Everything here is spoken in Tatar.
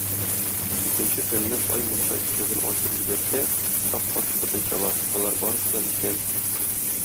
Икенче көнне бай мунча ишеген ачып җибәрсә, шаккатып ботын чаба: болар барысы да исән!